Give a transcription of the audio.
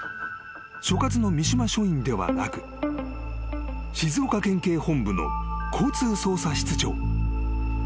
［所轄の三島署員ではなく静岡県警本部の交通捜査室長］